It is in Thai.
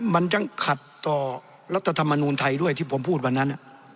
มันยังขัดต่อรัฐธรรมนูลไทยด้วยที่ผมพูดวันนั้น